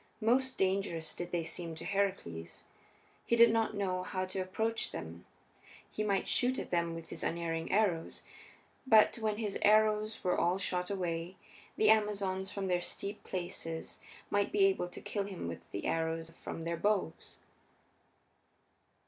Most dangerous did they seem to Heracles. He did not know how to approach them; he might shoot at them with his unerring arrows, but when his arrows were all shot away, the Amazons, from their steep places, might be able to kill him with the arrows from their bows.